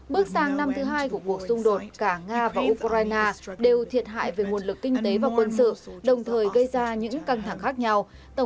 bước sang năm thứ hai của cuộc xung đột cả nga và ukraine đều thiệt hại về nguồn lực kinh tế và quân sự đồng thời gây ra những căng thẳng khác nhau